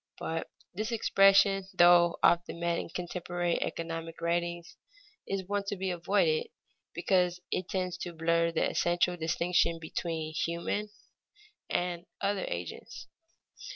But this expression, though often met in contemporary economic writings, is one to be avoided because it tends to blur the essential distinction between human and other agents.